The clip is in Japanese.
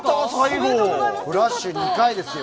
フラッシュ２回ですよ。